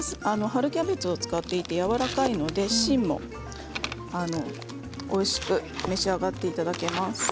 春キャベツを使っていてやわらかいので芯もおいしく召し上がっていただきます。